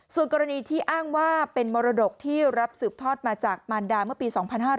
ส่วนกรณีที่อ้างว่าเป็นมรดกที่รับสืบทอดมาจากมารดาเมื่อปี๒๕๕๙